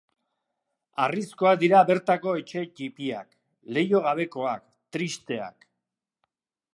Harrizkoak dira bertako etxe ttipiak, leiho gabekoak, tristeak.